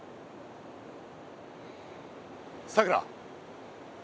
さくら。